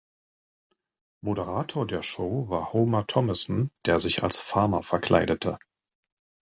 Moderator der Show war Homer Thomasson, der sich als Farmer verkleidete.